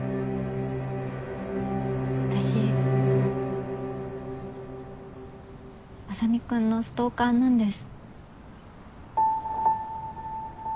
私莇君のストーカーなんです。